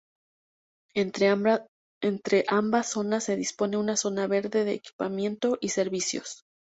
Entre ambas zonas se dispone una zona verde, de equipamiento y servicios.